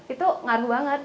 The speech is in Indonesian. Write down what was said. itu ngaruh banget